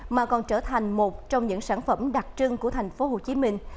mà còn trở thành một trong những sản phẩm đặc trưng của thành phố hồ chí minh